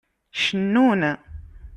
Cennun.